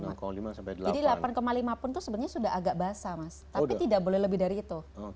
jadi delapan lima pun itu sebenarnya sudah agak basah mas tapi tidak boleh lebih dari itu